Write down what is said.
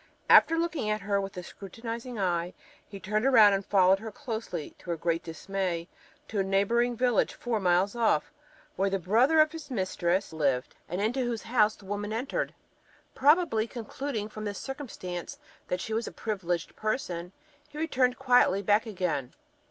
After looking at her with a scrutinising eye, he turned round, and followed her closely, to her great dismay, to a neighbouring village four miles off, where the brother of his mistress lived, and into whose house the woman entered. Probably concluding from this circumstance that she was a privileged person, he returned quietly back again.